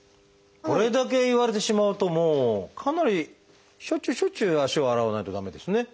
これだけ言われてしまうともうかなりしょっちゅうしょっちゅう足を洗わないと駄目ですね。